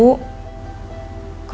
dik dik gak tau